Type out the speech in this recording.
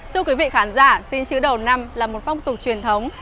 thưa quý vị khán giả xin chữ đầu năm là một phong tục truyền thống